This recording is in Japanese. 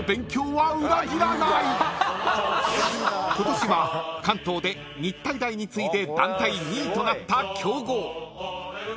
［今年は関東で日体大に次いで団体２位となった強豪］